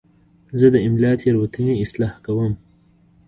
زه د املا تېروتنې اصلاح کوم.